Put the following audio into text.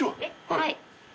はい。